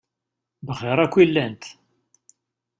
Bxiṛ akk i llant.